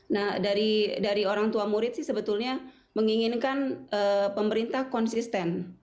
nah dari orang tua murid sih sebetulnya menginginkan pemerintah konsisten